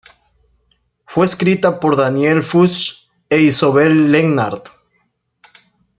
Fue escrita por Daniel Fuchs e Isobel Lennart.